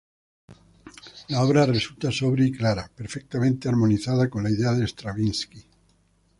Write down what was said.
La obra resulta sobria y clara, perfectamente armonizada con la idea de Stravinski.